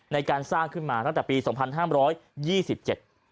ในการสร้างขึ้นมาตั้งแต่ปีสองพันห้ามร้อยยี่สิบเจ็ด